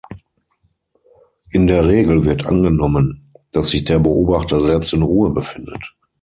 In der Regel wird angenommen, dass sich der Beobachter selbst in Ruhe befindet.